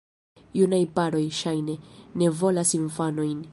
Junaj paroj, ŝajne, ne volas infanojn.